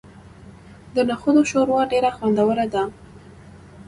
د نخودو شوروا ډیره خوندوره ده.